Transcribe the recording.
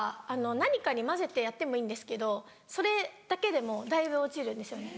何かに混ぜてやってもいいんですけどそれだけでもだいぶ落ちるんですよね。